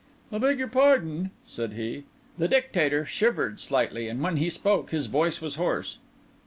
"I beg your pardon," said he. The Dictator shivered slightly, and when he spoke his voice was hoarse.